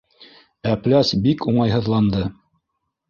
Әпләс бик уңайһыҙланды.